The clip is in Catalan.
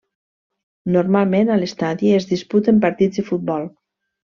Normalment, a l'estadi es disputen partits de futbol.